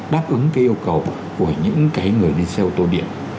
đáp ứng cái yêu cầu của những cái người đi xe ô tô điện